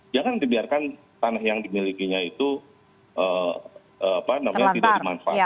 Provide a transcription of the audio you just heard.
jangan dibiarkan tanah yang dimilikinya itu tidak dimanfaatkan